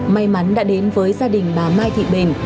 may mắn đã đến với gia đình bà mai thị bền